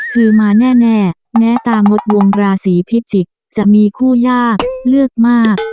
คือมาแน่แน่ตามดดวงราศีพิจิกษ์จะมีคู่ยากเลือกมาก